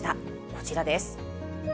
こちらです。